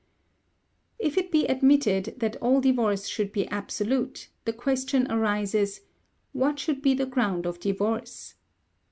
If it be admitted that all divorce should be absolute, the question arises: What should be the ground of divorce?